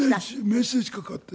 メッセージかかって。